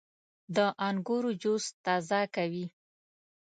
• د انګورو جوس تازه کوي.